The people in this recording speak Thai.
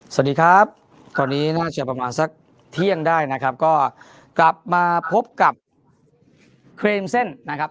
สวัสดีครับคราวนี้น่าจะประมาณสักเที่ยงได้นะครับก็กลับมาพบกับเครมเส้นนะครับ